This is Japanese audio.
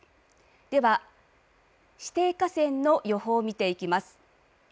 では指定河川の予報を見ていきます。